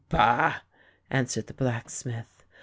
" "Bah!" answered the blacksmith.